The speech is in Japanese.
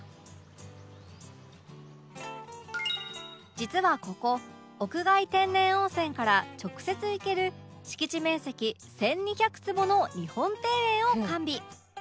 実はここ屋外天然温泉から直接行ける敷地面積１２００坪の日本庭園を完備